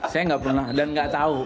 saya nggak pernah dan nggak tahu